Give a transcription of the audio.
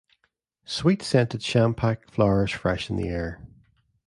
Sweet scented champak flowers freshen the air.